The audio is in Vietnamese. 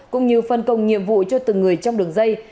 cũng như phân công nhiệm vụ cho từng người trong đường dây